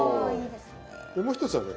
でもう一つはね